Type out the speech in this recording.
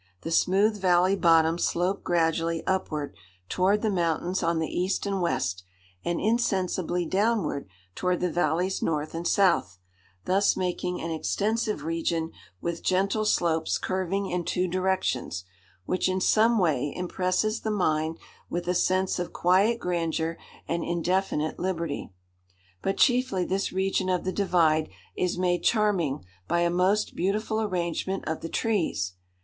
The smooth valley bottom sloped gradually upward toward the mountains on the east and west, and insensibly downward toward the valleys north and south, thus making an extensive region with gentle slopes curving in two directions, which in some way impresses the mind with a sense of quiet grandeur and indefinite liberty. But chiefly this region of the divide is made charming by a most beautiful arrangement of the trees.